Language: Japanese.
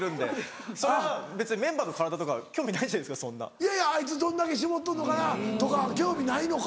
いやいやあいつどんだけ絞っとんのかなとか興味ないのか。